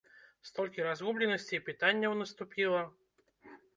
Столькі разгубленасці і пытанняў наступіла!